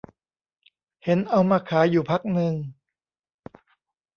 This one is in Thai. เห็นเอามาขายอยู่พักนึง